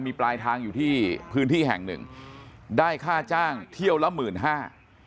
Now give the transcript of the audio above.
มีปลายทางอยู่ที่พื้นที่แห่งหนึ่งได้ค่าจ้างเที่ยวละหมื่นห้า